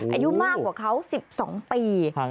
อายุมากกว่าเขา๑๒ปี